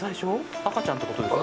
赤ちゃんってことですか。